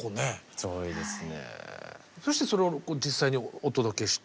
そうですね。